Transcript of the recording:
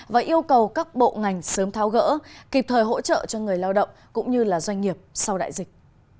và yêu cầu các bộ ngành sớm tháo gỡ kịp thời hỗ trợ cho người lao động cũng như doanh nghiệp sau đại dịch